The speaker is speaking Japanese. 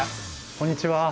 こんにちは。